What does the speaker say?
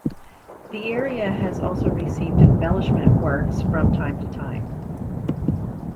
The area has also received embellishment works from time to time.